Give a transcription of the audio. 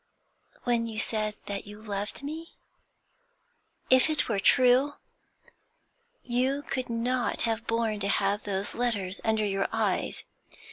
'When you said that you loved me? If it were true, you could not have borne to have those letters under your eyes.